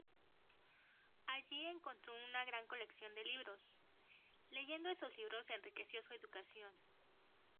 Allí encontró una gran colección de libros; leyendo esos libros enriqueció su educación.